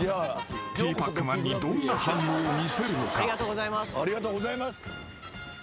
［ティーパックマンにどんな反応を見せるのか？］